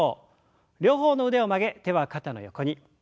両方の腕を曲げ手は肩の横に。